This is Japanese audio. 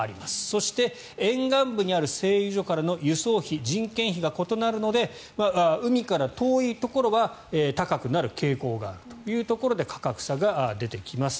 そして、沿岸部にある製油所からの輸送費、人件費が異なるので海から遠いところは高くなる傾向があるというところで価格差が出てきます。